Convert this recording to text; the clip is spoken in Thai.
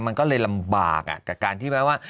มันก็เลยลำบากกับการที่แบบว่า